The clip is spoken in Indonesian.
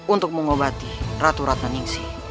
untuk mengobati ratu ratnaningsi